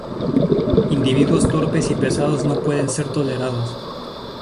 Individuos torpes y pesados no pueden ser tolerados.